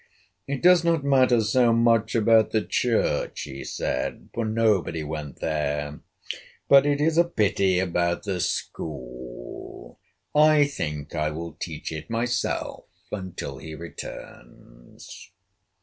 "It does not matter so much about the church," he said, "for nobody went there; but it is a pity about the school. I think I will teach it myself until he returns."